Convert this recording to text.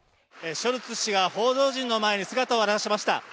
ショルツ氏が報道陣の前に姿を現しました。